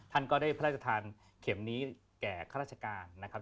ท่านก็ได้พระราชทานเข็มนี้แก่ข้าราชการนะครับ